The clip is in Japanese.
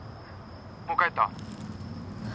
もう帰った？